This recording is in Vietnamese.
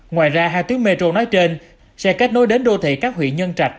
ngoài ra hai tuyến metro nói trên sẽ kết nối đến đô thị các huyện nhân trạch